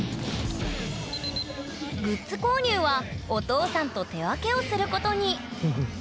グッズ購入はお父さんと手分けをすることに。